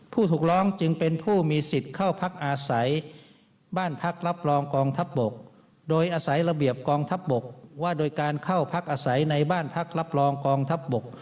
ผู้ถูกร้องจึงเป็นผู้มีสิทธิ์เข้าพักอาศัยบ้านพักรับรองกองทัพบกโดยอาศัยระเบียบกองทัพบกว่าโดยการเข้าพักอาศัยในบ้านพักรับรองกองทัพบก